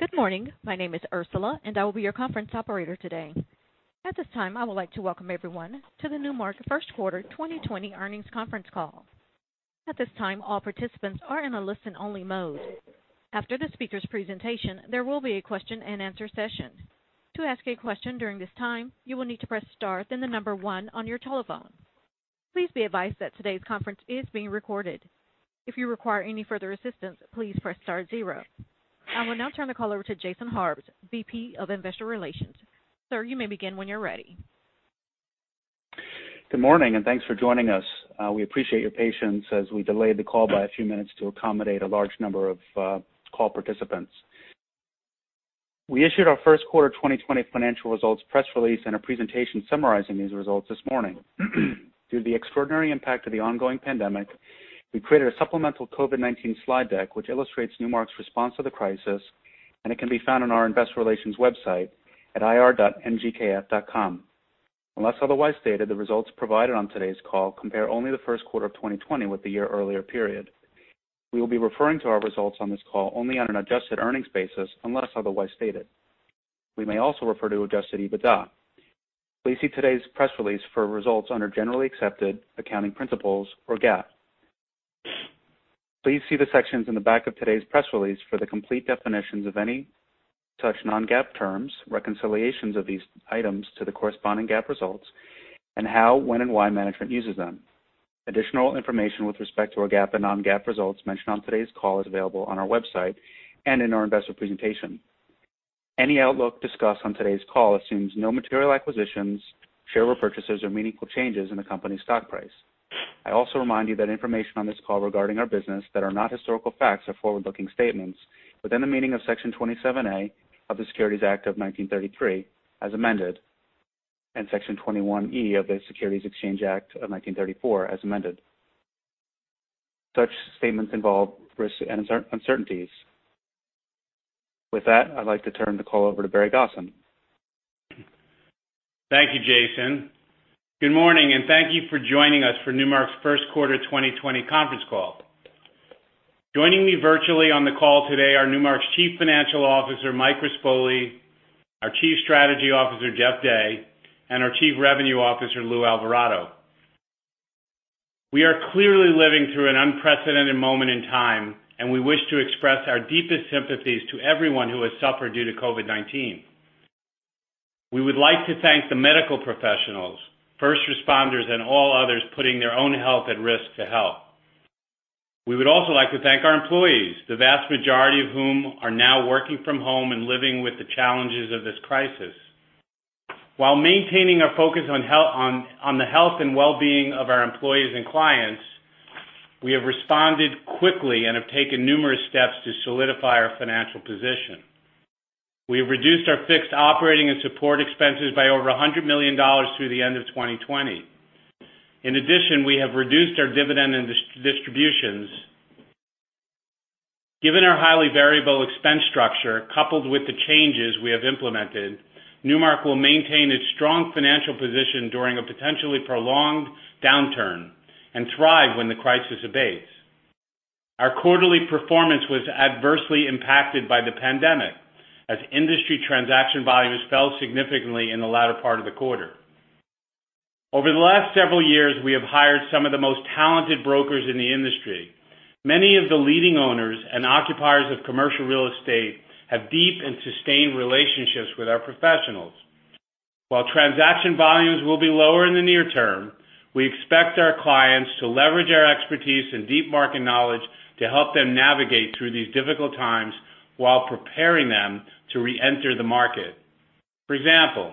Good morning. My name is Ursula, and I will be your conference operator today. At this time, I would like to welcome everyone to the Newmark first quarter 2020 earnings conference call. At this time, all participants are in a listen-only mode. After the speaker's presentation, there will be a question and answer session. To ask a question during this time, you will need to press star, then the number one on your telephone. Please be advised that today's conference is being recorded. If you require any further assistance, please press star zero. I will now turn the call over to Jason Harbes, VP of Investor Relations. Sir, you may begin when you're ready. Good morning, thanks for joining us. We appreciate your patience as we delayed the call by a few minutes to accommodate a large number of call participants. We issued our first quarter 2020 financial results press release and a presentation summarizing these results this morning. Due to the extraordinary impact of the ongoing pandemic, we created a supplemental COVID-19 slide deck which illustrates Newmark's response to the crisis, and it can be found on our investor relations website at ir.ngkf.com. Unless otherwise stated, the results provided on today's call compare only the first quarter of 2020 with the year earlier period. We will be referring to our results on this call only on an adjusted earnings basis unless otherwise stated. We may also refer to Adjusted EBITDA. Please see today's press release for results under generally accepted accounting principles or GAAP. Please see the sections in the back of today's press release for the complete definitions of any such non-GAAP terms, reconciliations of these items to the corresponding GAAP results, and how, when, and why management uses them. Additional information with respect to our GAAP and non-GAAP results mentioned on today's call is available on our website and in our investor presentation. Any outlook discussed on today's call assumes no material acquisitions, share repurchases, or meaningful changes in the company's stock price. I also remind you that information on this call regarding our business that are not historical facts are forward-looking statements within the meaning of Section 27A of the Securities Act of 1933 as amended, and Section 21E of the Securities Exchange Act of 1934 as amended. Such statements involve risks and uncertainties. With that, I'd like to turn the call over to Barry Gosin. Thank you, Jason. Good morning, and thank you for joining us for Newmark's first quarter 2020 conference call. Joining me virtually on the call today are Newmark's Chief Financial Officer, Mike Rispoli, our Chief Strategy Officer, Jeff Day, and our Chief Revenue Officer, Lou Alvarado. We are clearly living through an unprecedented moment in time, and we wish to express our deepest sympathies to everyone who has suffered due to COVID-19. We would like to thank the medical professionals, first responders, and all others putting their own health at risk to help. We would also like to thank our employees, the vast majority of whom are now working from home and living with the challenges of this crisis. While maintaining our focus on the health and well-being of our employees and clients, we have responded quickly and have taken numerous steps to solidify our financial position. We have reduced our fixed operating and support expenses by over $100 million through the end of 2020. We have reduced our dividend and distributions. Given our highly variable expense structure, coupled with the changes we have implemented, Newmark will maintain its strong financial position during a potentially prolonged downturn and thrive when the crisis abates. Our quarterly performance was adversely impacted by the pandemic as industry transaction volumes fell significantly in the latter part of the quarter. Over the last several years, we have hired some of the most talented brokers in the industry. Many of the leading owners and occupiers of commercial real estate have deep and sustained relationships with our professionals. While transaction volumes will be lower in the near term, we expect our clients to leverage our expertise and deep market knowledge to help them navigate through these difficult times while preparing them to reenter the market. For example,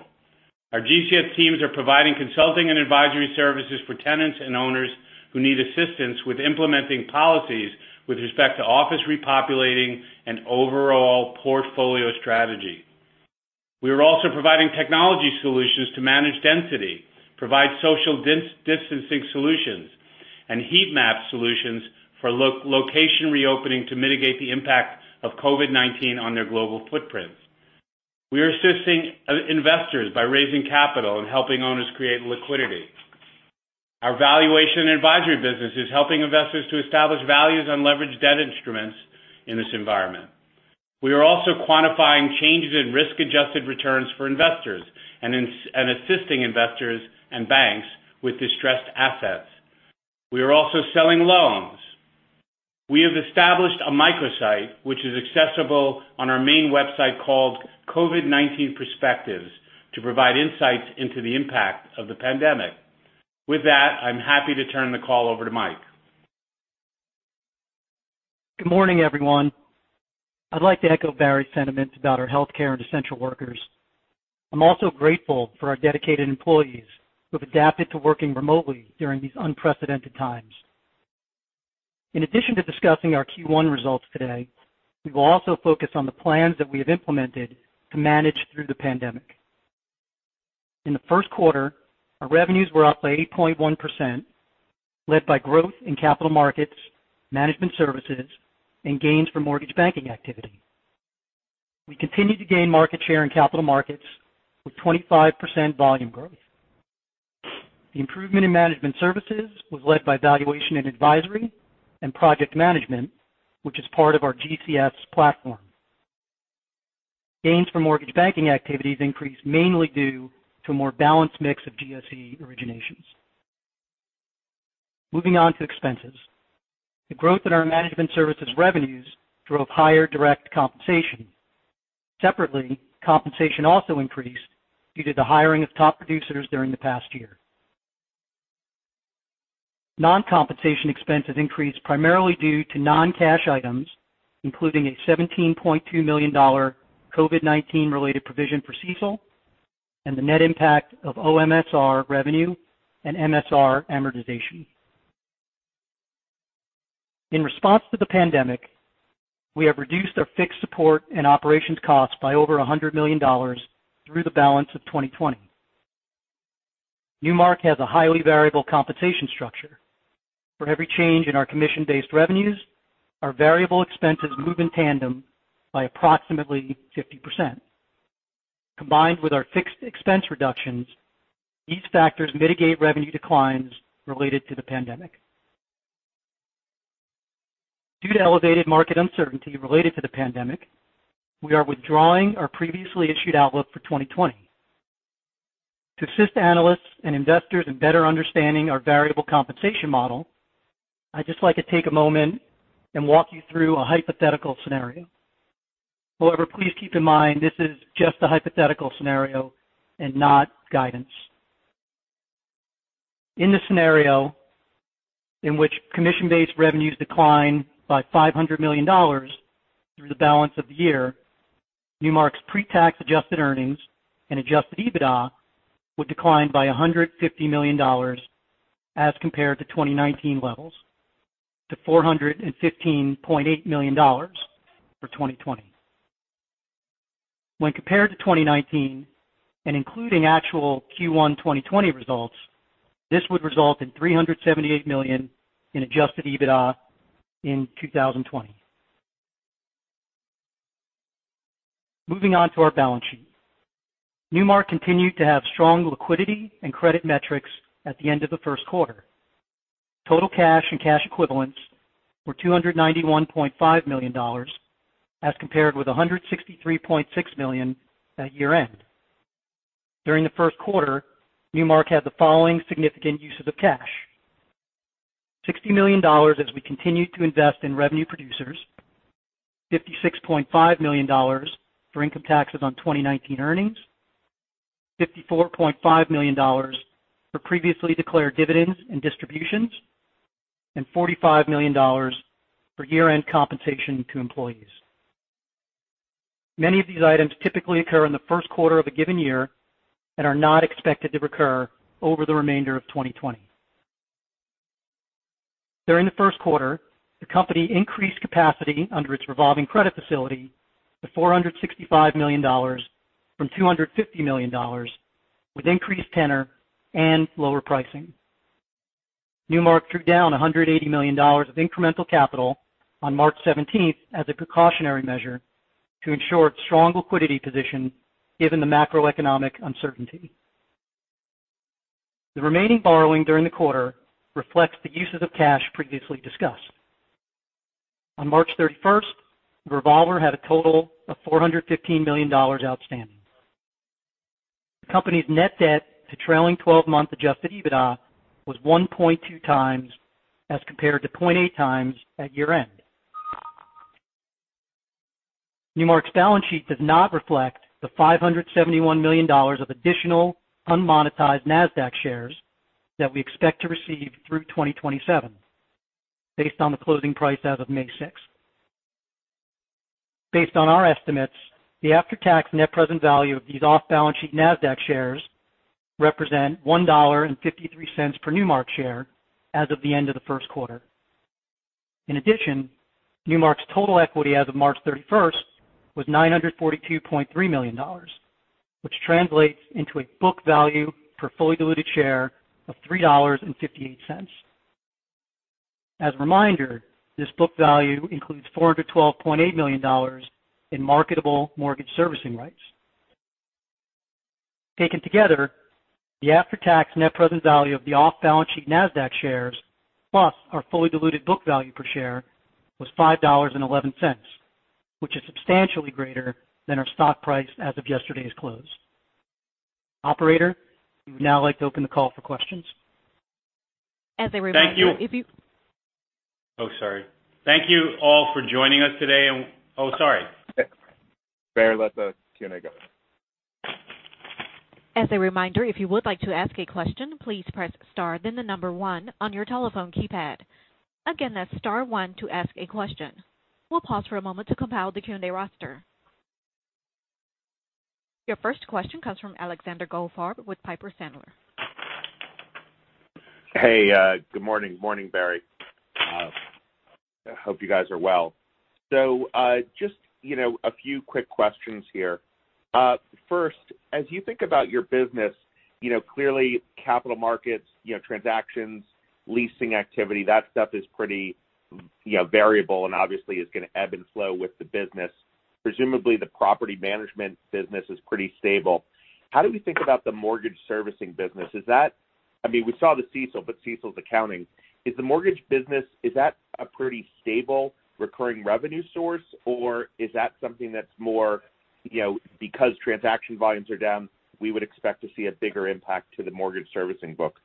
our GCS teams are providing consulting and advisory services for tenants and owners who need assistance with implementing policies with respect to office repopulating and overall portfolio strategy. We are also providing technology solutions to manage density, provide social distancing solutions, and heat map solutions for location reopening to mitigate the impact of COVID-19 on their global footprints. We are assisting investors by raising capital and helping owners create liquidity. Our Valuation & Advisory business is helping investors to establish values on leveraged debt instruments in this environment. We are also quantifying changes in risk-adjusted returns for investors and assisting investors and banks with distressed assets. We are also selling loans. We have established a microsite, which is accessible on our main website called COVID-19 Perspectives, to provide insights into the impact of the pandemic. With that, I'm happy to turn the call over to Mike. Good morning, everyone. I'd like to echo Barry's sentiments about our healthcare and essential workers. I'm also grateful for our dedicated employees who have adapted to working remotely during these unprecedented times. In addition to discussing our Q1 results today, we will also focus on the plans that we have implemented to manage through the pandemic. In the first quarter, our revenues were up by 8.1%, led by growth in Capital Markets, Management Services, and gains from mortgage banking activity. We continued to gain market share in Capital Markets with 25% volume growth. The improvement in management services was led by Valuation & Advisory and project management, which is part of our GCS platform. Gains from mortgage banking activities increased mainly due to a more balanced mix of GSE originations. Moving on to expenses. The growth in our management services revenues drove higher direct compensation. Separately, compensation also increased due to the hiring of top producers during the past year. Non-compensation expenses increased primarily due to non-cash items, including a $17.2 million COVID-19 related provision for CECL and the net impact of OMSR revenue and MSR amortization. In response to the pandemic, we have reduced our fixed support and operations costs by over $100 million through the balance of 2020. Newmark has a highly variable compensation structure. For every change in our commission-based revenues, our variable expenses move in tandem by approximately 50%. Combined with our fixed expense reductions, these factors mitigate revenue declines related to the pandemic. Due to elevated market uncertainty related to the pandemic, we are withdrawing our previously issued outlook for 2020. To assist analysts and investors in better understanding our variable compensation model, I'd just like to take a moment and walk you through a hypothetical scenario. Please keep in mind this is just a hypothetical scenario and not guidance. In the scenario in which commission-based revenues decline by $500 million through the balance of the year, Newmark's pre-tax adjusted earnings and Adjusted EBITDA would decline by $150 million as compared to 2019 levels to $415.8 million for 2020. When compared to 2019 and including actual Q1 2020 results, this would result in $378 million in Adjusted EBITDA in 2020. Moving on to our balance sheet. Newmark continued to have strong liquidity and credit metrics at the end of the first quarter. Total cash and cash equivalents were $291.5 million as compared with $163.6 million at year-end. During the first quarter, Newmark had the following significant uses of cash: $60 million as we continued to invest in revenue producers, $56.5 million for income taxes on 2019 earnings, $54.5 million for previously declared dividends and distributions, and $45 million for year-end compensation to employees. Many of these items typically occur in the first quarter of a given year and are not expected to recur over the remainder of 2020. During the first quarter, the company increased capacity under its revolving credit facility to $465 million from $250 million with increased tenor and lower pricing. Newmark drew down $180 million of incremental capital on March 17th as a precautionary measure to ensure its strong liquidity position given the macroeconomic uncertainty. The remaining borrowing during the quarter reflects the uses of cash previously discussed. On March 31st, the revolver had a total of $415 million outstanding. The company's net debt to trailing 12-month Adjusted EBITDA was 1.2x, as compared to 0.8x at year-end. Newmark's balance sheet does not reflect the $571 million of additional unmonetized Nasdaq shares that we expect to receive through 2027 based on the closing price as of May 6th. Based on our estimates, the after-tax net present value of these off-balance-sheet Nasdaq shares represent $1.53 per Newmark share as of the end of the first quarter. Newmark's total equity as of March 31st was $942.3 million, which translates into a book value per fully diluted share of $3.58. As a reminder, this book value includes $412.8 million in marketable mortgage servicing rights. Taken together, the after-tax net present value of the off-balance-sheet Nasdaq shares, plus our fully diluted book value per share was $5.11, which is substantially greater than our stock price as of yesterday's close. Operator, we would now like to open the call for questions. As a reminder. Thank you. Oh, sorry. Thank you all for joining us today. Oh, sorry. Barry, let the Q&A go. As a reminder, if you would like to ask a question, please press star then the number one on your telephone keypad. Again, that's star one to ask a question. We'll pause for a moment to compile the Q&A roster. Your first question comes from Alexander Goldfarb with Piper Sandler. Hey. Good morning. Morning, Barry. I hope you guys are well. Just a few quick questions here. First, as you think about your business, clearly Capital Markets, transactions, leasing activity, that stuff is pretty variable and obviously is going to ebb and flow with the business. Presumably, the property management business is pretty stable. How do we think about the mortgage servicing business? We saw the CECL, but CECL's accounting. Is the mortgage business, is that a pretty stable recurring revenue source? Is that something that's more, because transaction volumes are down, we would expect to see a bigger impact to the mortgage servicing book?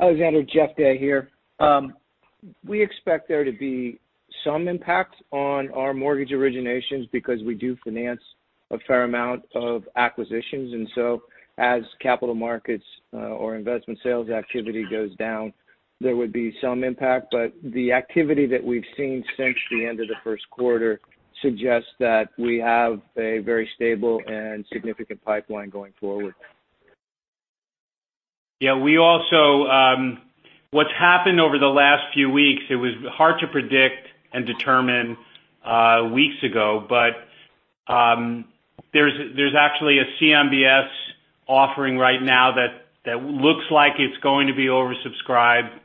Alexander, Jeff Day here. We expect there to be some impact on our mortgage originations because we do finance a fair amount of acquisitions. As Capital Markets or investment sales activity goes down, there would be some impact. The activity that we've seen since the end of the first quarter suggests that we have a very stable and significant pipeline going forward. Yeah. What's happened over the last few weeks, it was hard to predict and determine weeks ago. There's actually a CMBS offering right now that looks like it's going to be oversubscribed.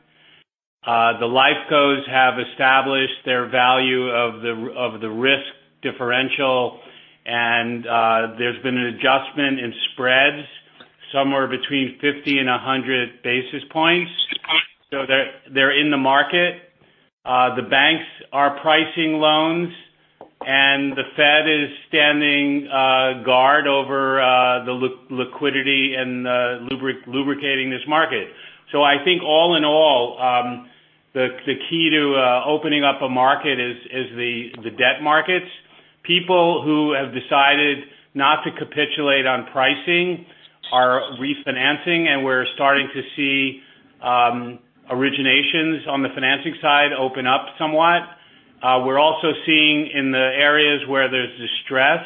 The life cos have established their value of the risk differential, and there's been an adjustment in spreads somewhere between 50 and 100 basis points. They're in the market. The banks are pricing loans, and the Fed is standing guard over the liquidity and lubricating this market. I think all in all, the key to opening up a market is the debt markets. People who have decided not to capitulate on pricing are refinancing, and we're starting to see originations on the financing side open up somewhat. We're also seeing in the areas where there's distress,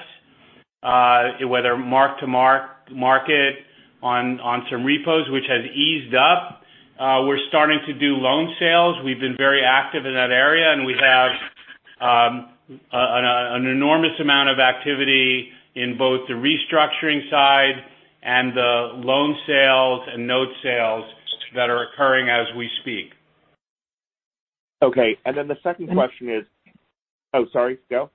whether mark-to-market on some repos, which has eased up. We're starting to do loan sales. We've been very active in that area, and we have an enormous amount of activity in both the restructuring side and the loan sales and note sales that are occurring as we speak. Okay. Then the second question is. Oh, sorry. Go.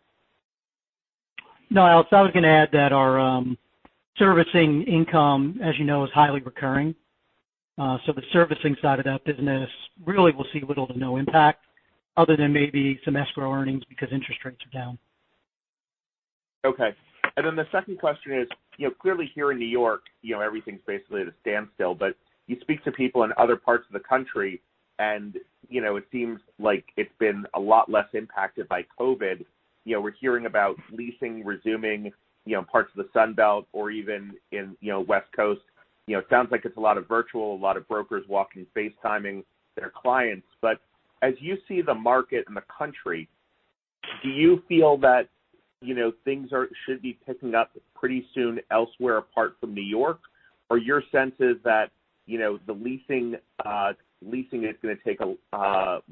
I was going to add that our servicing income, as you know, is highly recurring. The servicing side of that business really will see little to no impact other than maybe some escrow earnings because interest rates are down. Okay. The second question is, clearly here in New York, everything's basically at a standstill. You speak to people in other parts of the country, and it seems like it's been a lot less impacted by COVID-19. We're hearing about leasing resuming, parts of the Sun Belt or even in West Coast. It sounds like it's a lot of virtual, a lot of brokers walking, facetiming their clients. As you see the market in the country, do you feel that things should be picking up pretty soon elsewhere apart from New York? Your sense is that the leasing is going to take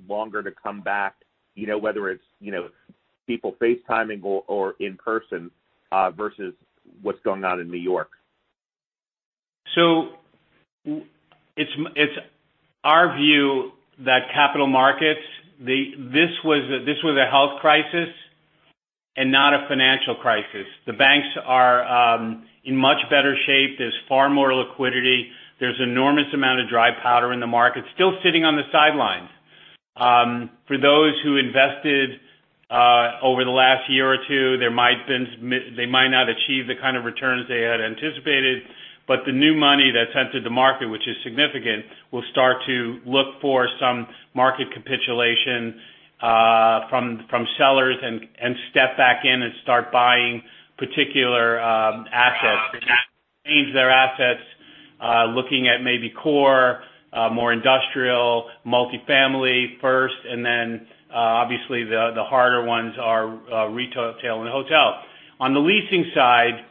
longer to come back, whether it's people facetiming or in person versus what's going on in New York? It's our view that Capital Markets, this was a health crisis and not a financial crisis. The banks are in much better shape. There's far more liquidity. There's enormous amount of dry powder in the market still sitting on the sidelines. For those who invested over the last year or two, they might not achieve the kind of returns they had anticipated, but the new money that's entered the market, which is significant, will start to look for some market capitulation from sellers and step back in and start buying particular assets. Change their assets, looking at maybe core, more industrial, multi-family first, and then obviously the harder ones are retail and hotel. On the leasing side,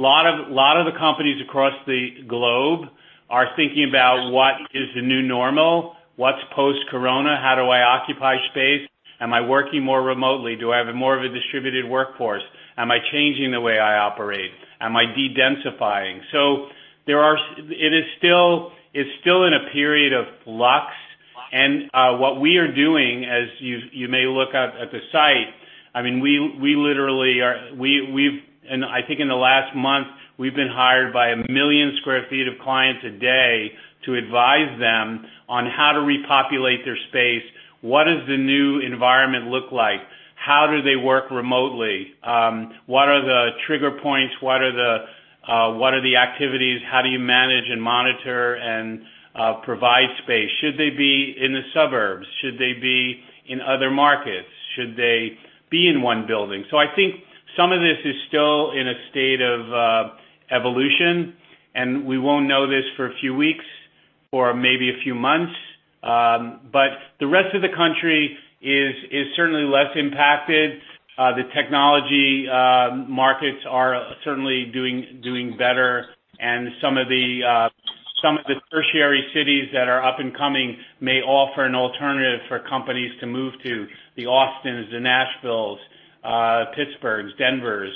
a lot of the companies across the globe are thinking about what is the new normal, what's post-corona? How do I occupy space? Am I working more remotely? Do I have more of a distributed workforce? Am I changing the way I operate? Am I de-densifying? It's still in a period of flux. What we are doing, as you may look at the site, I think in the last month, we've been hired by a million square feet of clients a day to advise them on how to repopulate their space. What does the new environment look like? How do they work remotely? What are the trigger points? What are the activities? How do you manage and monitor and provide space? Should they be in the suburbs? Should they be in other markets? Should they be in one building? I think some of this is still in a state of evolution, and we won't know this for a few weeks or maybe a few months. The rest of the country is certainly less impacted. The technology markets are certainly doing better. Some of the tertiary cities that are up and coming may offer an alternative for companies to move to, the Austins, the Nashvilles. Pittsburghs, Denvers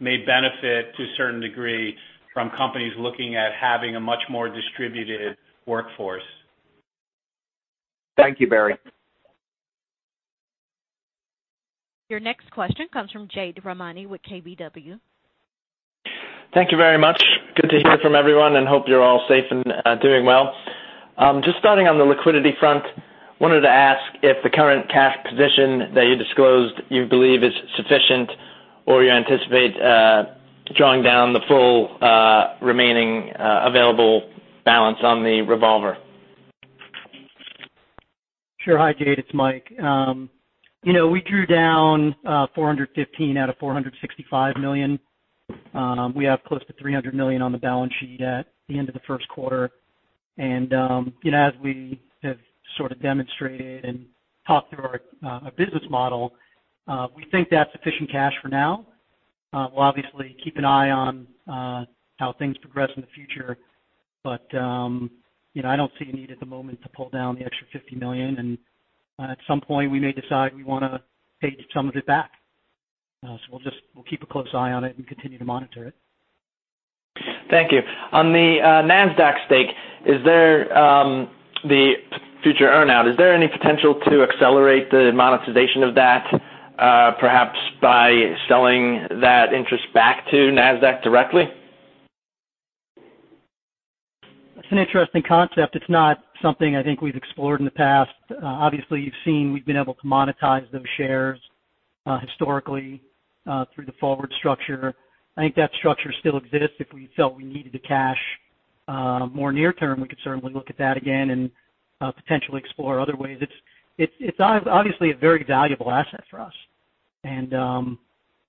may benefit to a certain degree from companies looking at having a much more distributed workforce. Thank you, Barry. Your next question comes from Jade Rahmani with KBW. Thank you very much. Good to hear from everyone, and hope you're all safe and doing well. Just starting on the liquidity front, wanted to ask if the current cash position that you disclosed you believe is sufficient, or you anticipate drawing down the full remaining available balance on the revolver. Sure. Hi, Jade, it's Mike. We drew down $415 out of $465 million. We have close to $300 million on the balance sheet at the end of the first quarter. As we have sort of demonstrated and talked through our business model, we think that's sufficient cash for now. We'll obviously keep an eye on how things progress in the future, but I don't see a need at the moment to pull down the extra $50 million, and at some point we may decide we want to take some of it back. We'll keep a close eye on it and continue to monitor it. Thank you. On the Nasdaq stake, the future earn-out. Is there any potential to accelerate the monetization of that perhaps by selling that interest back to Nasdaq directly? That's an interesting concept. It's not something I think we've explored in the past. Obviously, you've seen we've been able to monetize those shares historically through the forward structure. I think that structure still exists. If we felt we needed the cash more near term, we could certainly look at that again and potentially explore other ways. It's obviously a very valuable asset for us.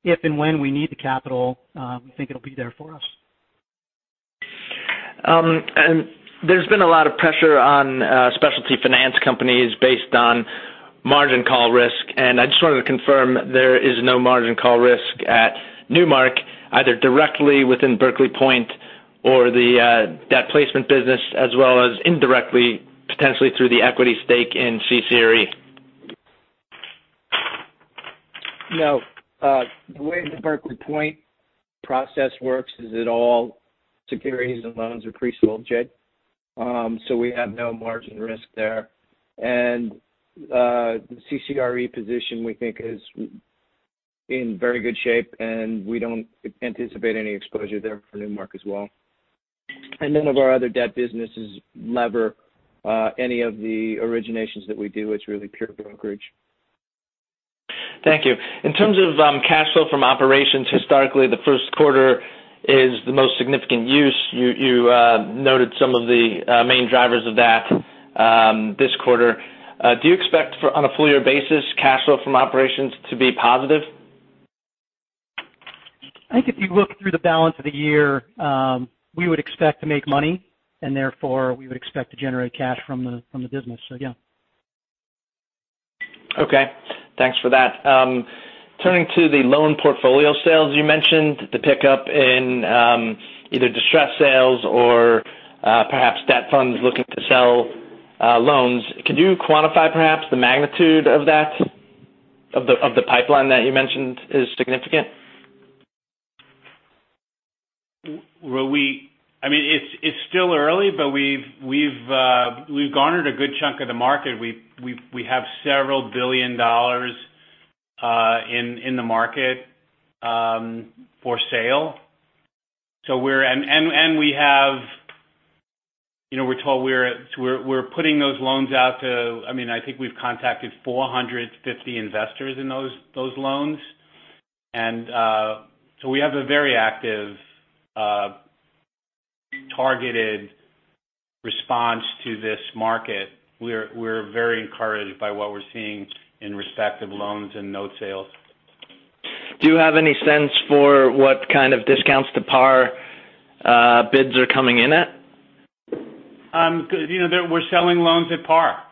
If and when we need the capital, we think it'll be there for us. There's been a lot of pressure on specialty finance companies based on margin call risk. I just wanted to confirm there is no margin call risk at Newmark, either directly within Berkeley Point or the debt placement business, as well as indirectly, potentially through the equity stake in CCRE. No. The way the Berkeley Point process works is that all securities and loans are pre-sold, Jade. We have no margin risk there. The CCRE position, we think, is in very good shape, and we don't anticipate any exposure there for Newmark as well. None of our other debt businesses lever any of the originations that we do. It's really pure brokerage. Thank you. In terms of cash flow from operations, historically, the first quarter is the most significant use. You noted some of the main drivers of that this quarter. Do you expect on a full-year basis cash flow from operations to be positive? I think if you look through the balance of the year, we would expect to make money, and therefore we would expect to generate cash from the business, yeah. Okay. Thanks for that. Turning to the loan portfolio sales, you mentioned the pickup in either distressed sales or perhaps debt funds looking to sell loans. Could you quantify perhaps the magnitude of that, of the pipeline that you mentioned is significant? It's still early, but we've garnered a good chunk of the market. We have several billion dollars in the market for sale. I think we've contacted 450 investors in those loans. We have a very active targeted response to this market. We're very encouraged by what we're seeing in respect of loans and note sales. Do you have any sense for what kind of discounts to par bids are coming in at? We're selling loans at par.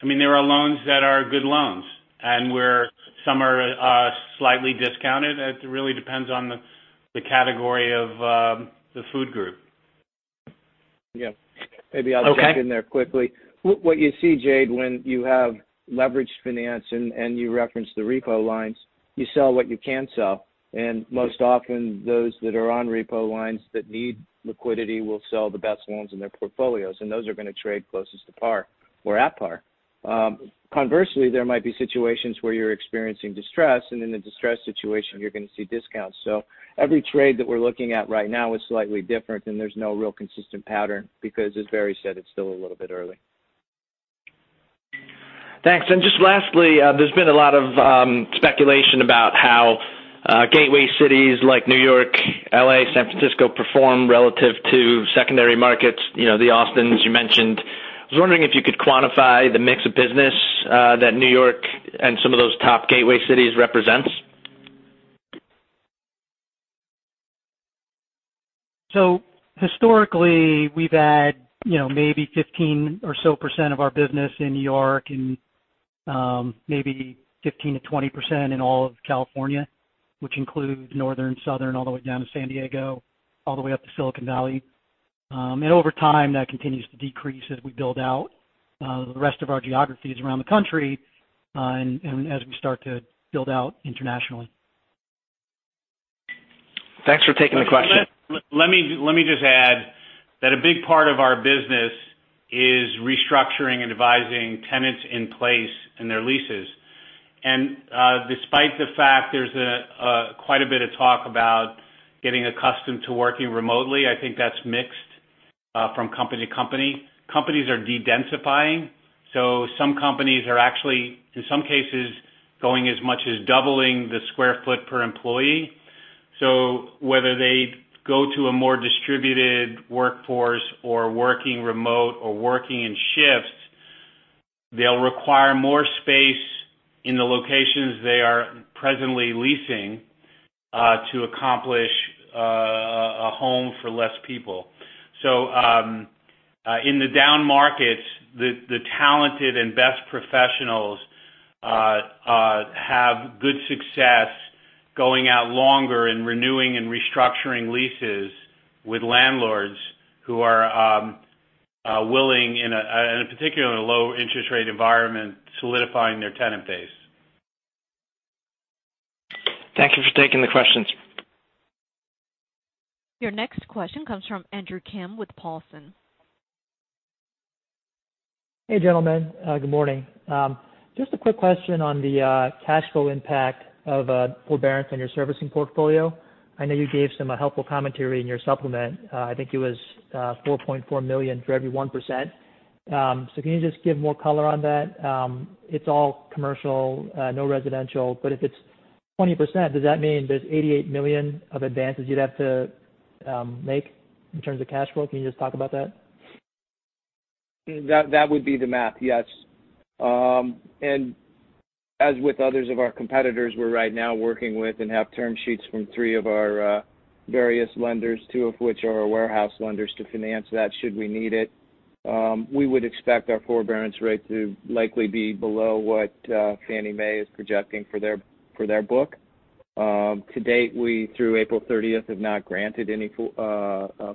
There are loans that are good loans. Some are slightly discounted. It really depends on the category of the food group. Yeah. Okay. Chip in there quickly. What you see, Jade, when you have leveraged finance and you reference the repo lines, you sell what you can sell, and most often those that are on repo lines that need liquidity will sell the best loans in their portfolios, and those are going to trade closest to par or at par. Conversely, there might be situations where you're experiencing distress, and in a distress situation you're going to see discounts. Every trade that we're looking at right now is slightly different, and there's no real consistent pattern because as Barry said, it's still a little bit early. Thanks. Just lastly, there's been a lot of speculation about how gateway cities like New York, L.A., San Francisco perform relative to secondary markets, the Austins you mentioned. I was wondering if you could quantify the mix of business that New York and some of those top gateway cities represents. Historically, we've had maybe 15% or so of our business in New York and maybe 15%-20% in all of California, which includes northern, southern, all the way down to San Diego, all the way up to Silicon Valley. Over time, that continues to decrease as we build out the rest of our geographies around the country and as we start to build out internationally. Thanks for taking the question. Let me just add that a big part of our business is restructuring and advising tenants in place in their leases. Despite the fact there's quite a bit of talk about getting accustomed to working remotely, I think that's mixed from company to company. Companies are de-densifying, some companies are actually, in some cases, going as much as doubling the square foot per employee. Whether they go to a more distributed workforce or working remote or working in shifts, they'll require more space in the locations they are presently leasing to accomplish a home for less people. In the down markets, the talented and best professionals have good success going out longer and renewing and restructuring leases with landlords who are willing, and in particular, in a low interest rate environment, solidifying their tenant base. Thank you for taking the questions. Your next question comes from Andrew Kim with Paulson. Hey, gentlemen. Good morning. Just a quick question on the cash flow impact of forbearance on your servicing portfolio. I know you gave some helpful commentary in your supplement. I think it was $4.4 million for every 1%. Can you just give more color on that? It's all commercial, no residential, but if it's 20%, does that mean there's $88 million of advances you'd have to make in terms of cash flow? Can you just talk about that? That would be the math, yes. As with others of our competitors, we're right now working with and have term sheets from three of our various lenders, two of which are our warehouse lenders, to finance that should we need it. We would expect our forbearance rate to likely be below what Fannie Mae is projecting for their book. To date, we, through April 30th, have not granted any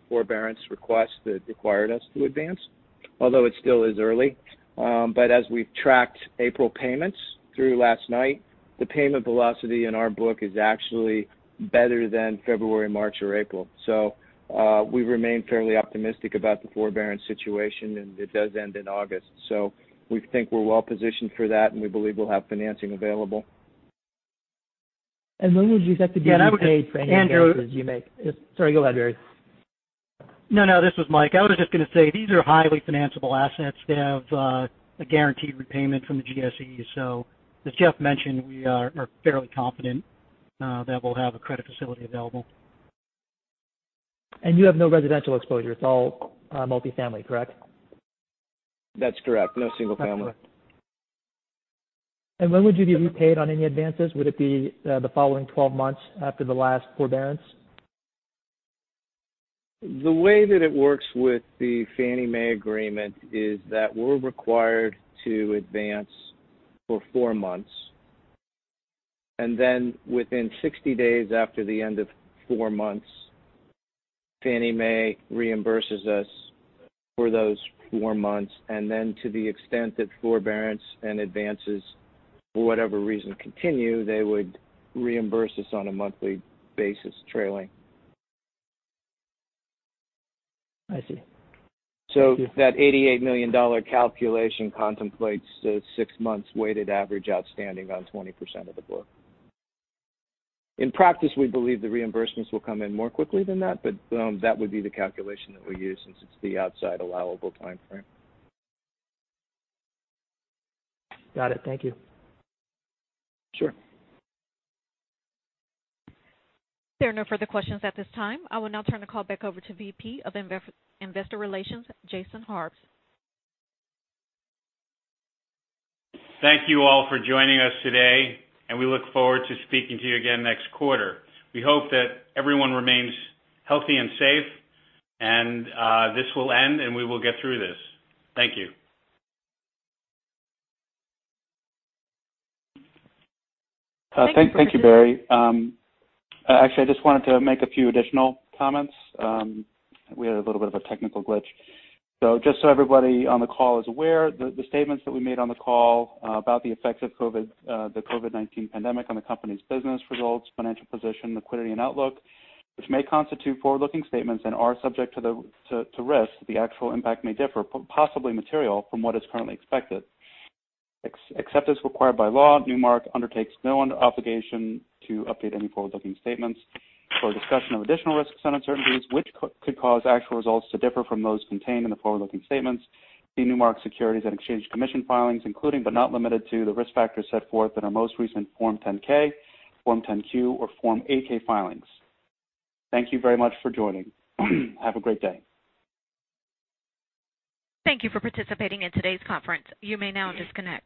forbearance requests that required us to advance, although it still is early. As we've tracked April payments through last night, the payment velocity in our book is actually better than February, March, or April. We remain fairly optimistic about the forbearance situation, and it does end in August. We think we're well positioned for that, and we believe we'll have financing available. When would you expect to be paid for any advances you make? Sorry, go ahead, Barry. No, this was Mike. I was just going to say, these are highly financiable assets. They have a guaranteed repayment from the GSEs. As Jeff mentioned, we are fairly confident that we'll have a credit facility available. You have no residential exposure. It's all multi-family, correct? That's correct. No single family. When would you be repaid on any advances? Would it be the following 12 months after the last forbearance? The way that it works with the Fannie Mae agreement is that we're required to advance for four months, then within 60 days after the end of four months, Fannie Mae reimburses us for those four months. To the extent that forbearance and advances for whatever reason continue, they would reimburse us on a monthly basis trailing. I see. That $88 million calculation contemplates the six months weighted average outstanding on 20% of the book. In practice, we believe the reimbursements will come in more quickly than that, but that would be the calculation that we use since it's the outside allowable timeframe. Got it. Thank you. Sure. There are no further questions at this time. I will now turn the call back over to VP of Investor Relations, Jason Harbes. Thank you all for joining us today, and we look forward to speaking to you again next quarter. We hope that everyone remains healthy and safe, and this will end, and we will get through this. Thank you. Thank you, Barry. Actually, I just wanted to make a few additional comments. Just so everybody on the call is aware, the statements that we made on the call about the effects of the COVID-19 pandemic on the company's business results, financial position, liquidity, and outlook, which may constitute forward-looking statements and are subject to risk. The actual impact may differ, possibly material from what is currently expected. Except as required by law, Newmark undertakes no obligation to update any forward-looking statements or discussion of additional risks and uncertainties which could cause actual results to differ from those contained in the forward-looking statements. See Newmark Securities and Exchange Commission filings, including but not limited to the risk factors set forth in our most recent Form 10-K, Form 10-Q, or Form 8-K filings. Thank you very much for joining. Have a great day. Thank you for participating in today's conference. You may now disconnect.